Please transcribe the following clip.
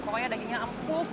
pokoknya dagingnya empuk